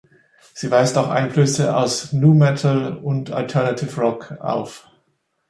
Sie weist auch Einflüsse aus Nu Metal und Alternative Rock auf.